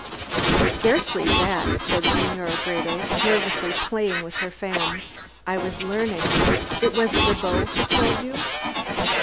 "Scarcely that," said Senora Gredos, nervously playing with her fan; "I was learning. It was Le Beau who told you?"